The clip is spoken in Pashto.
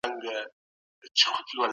هیلمن